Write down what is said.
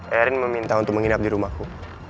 erin meminta untuk menginap di rumahku